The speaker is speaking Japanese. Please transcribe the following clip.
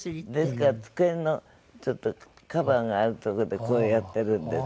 ですから机のちょっとカバーがあるとこでこうやってるんです。